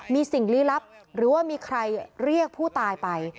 มีสิ่งลี้ลับหรือว่ามีใครเรียกผู้ตายไป